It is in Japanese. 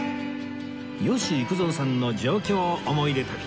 吉幾三さんの上京思い出旅